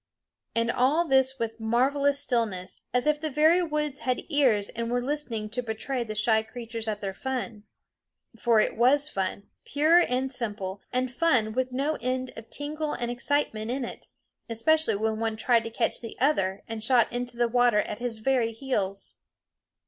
And all this with marvelous stillness, as if the very woods had ears and were listening to betray the shy creatures at their fun. For it was fun, pure and simple, and fun with no end of tingle and excitement in it, especially when one tried to catch the other and shot into the water at his very heels.